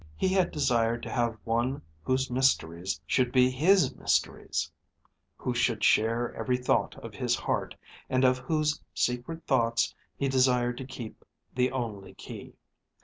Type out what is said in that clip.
He had desired to have one whose mysteries should be his mysteries; who should share every thought of his heart, and of whose secret thoughts he desired to keep the only key.